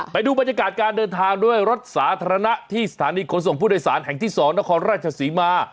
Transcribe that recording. ไปดูบรรยากาศการเดินทางด้วยรถสาธารณะที่สถานีขนส่งผู้โดยสารแห่งที่๒นครราชศรีมา